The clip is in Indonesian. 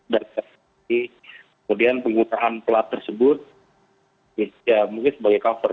dan kemudian penggunaan plat tersebut ya mungkin sebagai cover